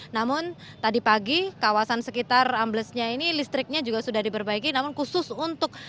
namun tadi pagi kawasan sekitar amblesnya ini listriknya juga sudah diperbaiki namun khusus untuk